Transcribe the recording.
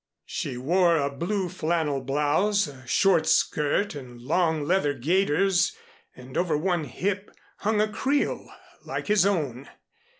She wore a blue flannel blouse, a short skirt and long leather gaiters and over one hip hung a creel like his own.